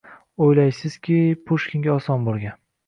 O‘ylaysizki… Pushkinga oson bo‘lgan?